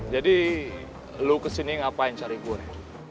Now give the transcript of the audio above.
jadi lo kesini ngapain cari gue